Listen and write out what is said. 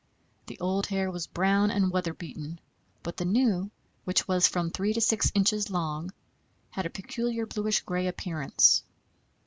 The old hair was brown and weather beaten, but the new, which was from 3 to 6 inches long, had a peculiar bluish gray appearance.